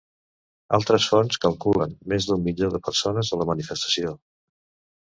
Altres fonts calculen més d'un milió de persones a la manifestació.